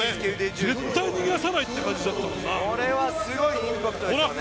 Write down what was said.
絶対に逃がさないって感じだったからね。